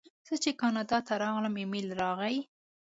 زه چې کاناډا ته راغلم ایمېل راغی.